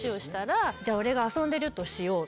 「じゃあ俺が遊んでるとしよう。